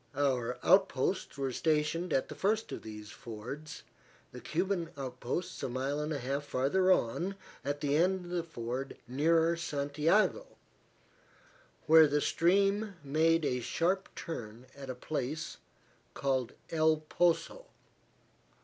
Our outposts were stationed at the first of these fords, the Cuban outposts a mile and a half farther on at the ford nearer Santiago, where the stream made a sharp turn at a place called El Poso.